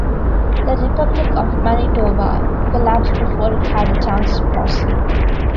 The Republic of Manitobah collapsed before it had a chance to blossom.